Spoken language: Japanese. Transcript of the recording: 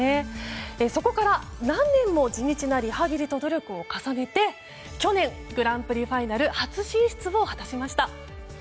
そこから、何年も地道なリハビリや努力を重ねて去年グランプリファイナル初進出を果たしました。